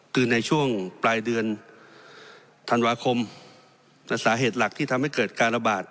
คือในช่วงปลายเดือนธันวาคมแต่สาเหตุหลักที่ทำให้เกิดการระบาด